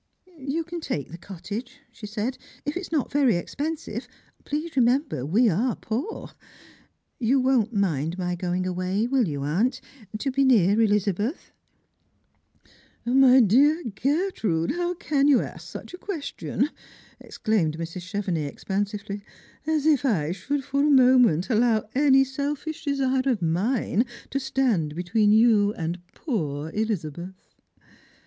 " You can take the cottage," she said, " if it is not very •expensive. Please remember that we are poor. You won't mind my going away, will you, aunt, to be near Elizabeth? "" My dear Gertrude, how can you ask such a question?" ox K B 8S2 Strangerg and Pilgrimg. cUiimed Mrs. Clievenix expansively. "As if I should for a moment allow any selfish desire of mine to stand between you and poor Elizabeth."